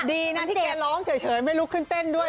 ดีนะที่แกร้องเฉยไม่ลุกขึ้นเต้นด้วย